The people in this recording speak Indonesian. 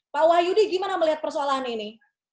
pak wahyudi gimana melihat persoalan ini